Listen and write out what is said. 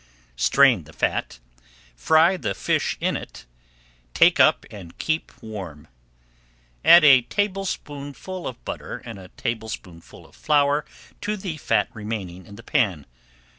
Strain the fat, fry the fish in it, take up and keep warm. Add a tablespoonful of butter and a tablespoonful of flour to the fat remaining in the pan.